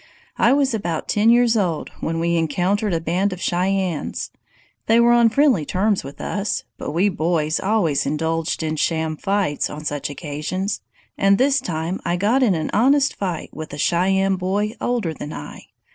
"I was about ten years old when we encountered a band of Cheyennes. They were on friendly terms with us, but we boys always indulged in sham fights on such occasions, and this time I got in an honest fight with a Cheyenne boy older than I.